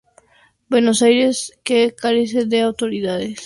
Buenos Aires que carece de autoridades, no se pronuncia.